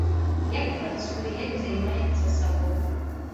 Як працуе, як займаецца сабой.